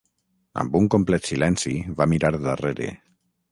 Amb un complet silenci va mirar darrere.